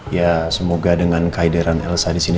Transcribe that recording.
ya semoga dengan kaideran elsa disini